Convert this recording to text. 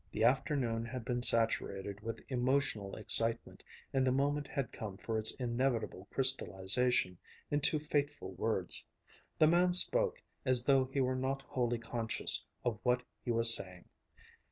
The afternoon had been saturated with emotional excitement and the moment had come for its inevitable crystallization into fateful words. The man spoke as though he were not wholly conscious of what he was saying.